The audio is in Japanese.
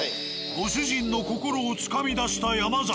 ご主人の心をつかみだした山崎。